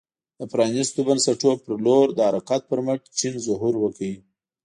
د پرانیستو بنسټونو په لور د حرکت پر مټ چین ظهور وکړ.